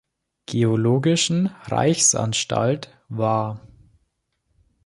Geologischen Reichsanstalt war.